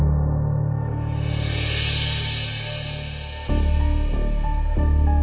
tidak ada yang bisa dihukum